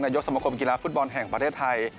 ยกสมคมกีฬาฟุตบอลแห่งประเทศไทย